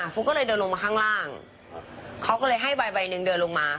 ฟุ๊กก็เลยเดินลงมาข้างล่างเขาก็เลยให้ใบหนึ่งเดินลงมา